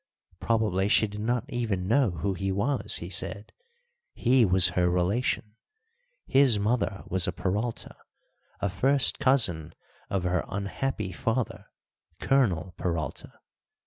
Probably she did not even know who he was, he said; he was her relation; his mother was a Peralta, a first cousin of her unhappy father, Colonel Peralta.